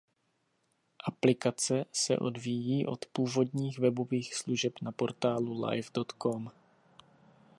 Aplikace se odvíjí od původních webových služeb na portálu live.com.